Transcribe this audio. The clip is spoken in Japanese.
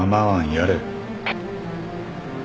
やれ。